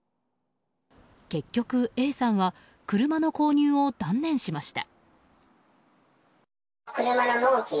結局Ａさんは車の購入を断念しました。